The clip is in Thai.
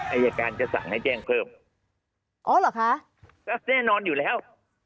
อายการจะสั่งให้แจ้งเพิ่มอ๋อเหรอคะก็แน่นอนอยู่แล้ว